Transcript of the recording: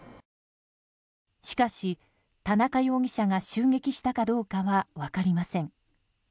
しかし、田中容疑者が襲撃したかどうかは分かりません。